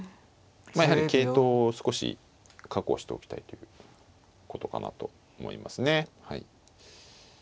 まあやはり桂頭を少し確保しておきたいということかなと思いますね。